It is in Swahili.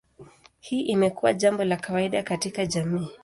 Hii imekuwa jambo la kawaida katika jamii.